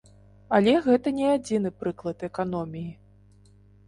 Але гэта не адзіны прыклад эканоміі.